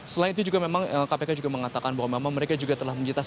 selain itu juga memang kpk juga mengatakan bahwa memang mereka juga telah menjentaskan